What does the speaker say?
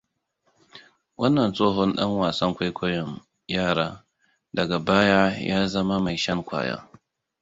Wannan tsohon ɗan wasan kwaikwayon yara daga baya ya zama mai shan kwaya.